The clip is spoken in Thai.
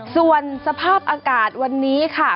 ส่วนสภาพอากาศวันนี้ค่ะ